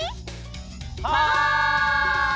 はい！